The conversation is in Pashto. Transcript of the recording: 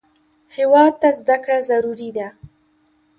هېواد ته زده کړه ضروري ده